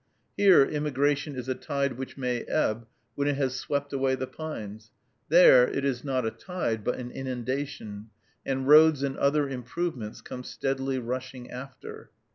Here immigration is a tide which may ebb when it has swept away the pines; there it is not a tide, but an inundation, and roads and other improvements come steadily rushing after.